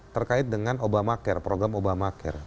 terkait dengan obamacare program obamacare